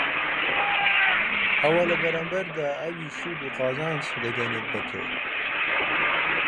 ئەوا لە بەرامبەردا ئەویش سوود و قازانج دەگەیەنێت بەتۆ